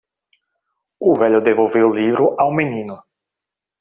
O velho devolveu o livro ao menino.